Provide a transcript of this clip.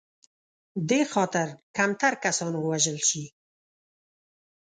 دې خاطر کمتر کسان ووژل شي.